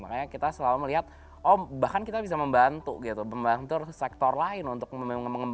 makanya kita selalu melihat oh bahkan kita bisa membantu gitu membantu sektor lain untuk mengembangkan